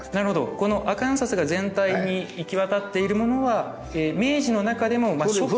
このアカンサスが全体に行き渡っているものは明治の中でも初期。